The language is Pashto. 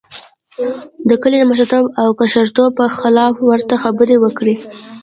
د کلي د مشرتوب او کشرتوب پر خلاف ورته خبرې وکړې.